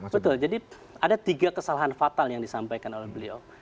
betul jadi ada tiga kesalahan fatal yang disampaikan oleh beliau